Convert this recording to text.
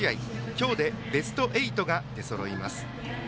今日でベスト８が出そろいます。